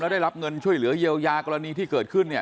ได้รับเงินช่วยเหลือเยียวยากรณีที่เกิดขึ้นเนี่ย